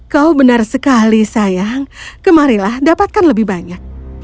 kau benar sekali sayang kemarilah dapatkan lebih banyak